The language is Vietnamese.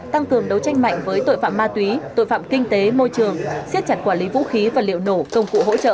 tăng cường đấu tranh mạnh với tội phạm ma túy tội phạm kinh tế môi trường siết chặt quản lý vũ khí và liệu nổ công cụ hỗ trợ